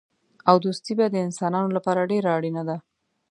او دوستي بیا د انسانانو لپاره ډېره اړینه ده.